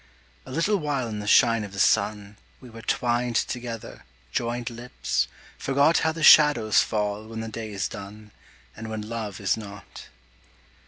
A little while in the shine of the sun, We were twined together, joined lips, forgot How the shadows fall when the day is done, And when Love is not.